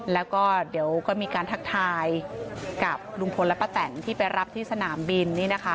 แล้วก็เดี๋ยวก็มีการทักทายกับลุงพลและป้าแตนที่ไปรับที่สนามบิน